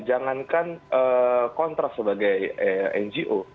jangankan kontras sebagai ngo